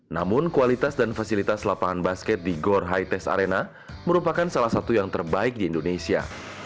namun kualitas dan fasilitas lapangan basket di gor hites arena merupakan salah satu yang terbaik di indonesia